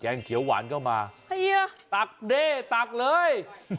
ใช่แกงเขียวหวานก็มาตักเน่ตักเลย